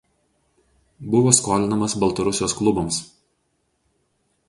Buvo skolinamas Baltarusijos klubams.